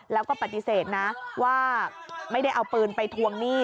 แล้วก็ปฏิเสธนะว่าไม่ได้เอาปืนไปทวงหนี้